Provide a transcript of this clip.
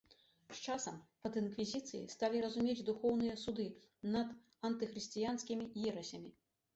З часам пад інквізіцыяй сталі разумець духоўныя суды над антыхрысціянскімі ерасямі.